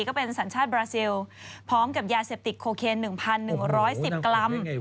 ก็เป็นสัญชาติบราซิลพร้อมกับยาเสพติดโคเคน๑๑๑๐กรัม